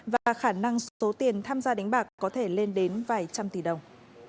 và khả năng số tiền tham gia đánh bạc có thể lên đến vài trăm tỷ đồng